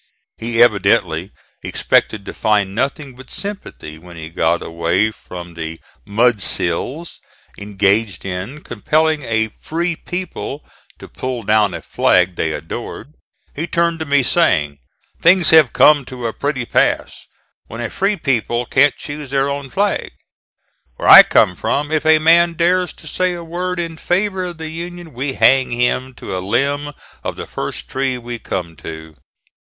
He evidently expected to find nothing but sympathy when he got away from the "mud sills" engaged in compelling a "free people" to pull down a flag they adored. He turned to me saying: "Things have come to a pretty pass when a free people can't choose their own flag. Where I came from if a man dares to say a word in favor of the Union we hang him to a limb of the first tree we come to."